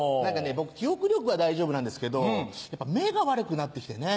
僕記憶力は大丈夫なんですけど目が悪くなって来てね。